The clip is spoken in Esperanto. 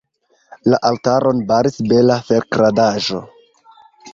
La altaron baris bela ferkradaĵo.